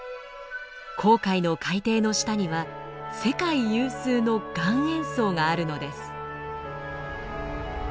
紅海の海底の下には世界有数の岩塩層があるのです。